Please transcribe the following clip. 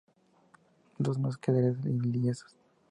Dos más quedaron ilesos.